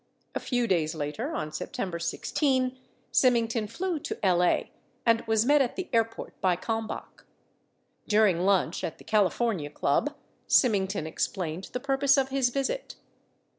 A few days later, on September 16, Symington flew to L.A. and was met at the airport by Kalmbach. During lunch at the Cali fornia Club, Symington explained the purpose of his visit.